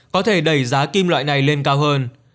có thể đẩy giá kim loại này lên cao hơn